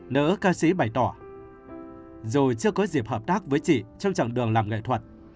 nữ ca sĩ bày tỏ dù chưa có dịp hợp tác với chị trong chặng đường làm nghệ thuật